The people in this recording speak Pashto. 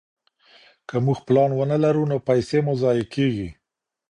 که موږ پلان ونه لرو نو پيسې مو ضايع کيږي.